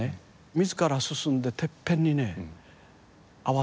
自ら進んでてっぺんにね合わせていく。